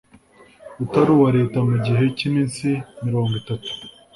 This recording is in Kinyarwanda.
utari uwa Leta mu gihe cy iminsi mirongo itatu